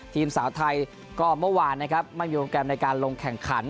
สาวไทยก็เมื่อวานนะครับไม่มีโปรแกรมในการลงแข่งขัน